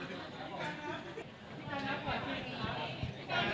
ขอบคุณครับ